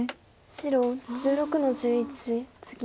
白１６の十一ツギ。